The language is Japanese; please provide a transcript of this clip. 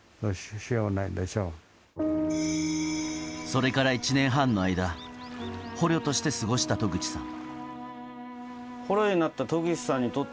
それから１年半の間捕虜として過ごした渡口さん。